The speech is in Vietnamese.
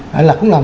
đấy là cũng vậy